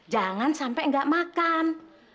jangan sampai enggak makan